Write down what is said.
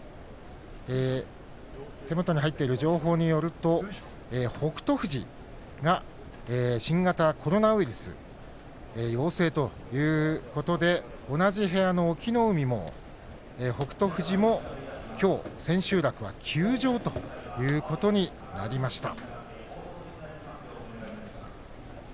手元に入っている情報によると北勝富士が新型コロナウイルス陽性といういうことで同じ部屋の隠岐の海もきょう千秋楽は休場ということになりました。